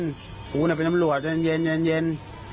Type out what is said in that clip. คุณทุกคนเป็นตำรวจแจนเย็น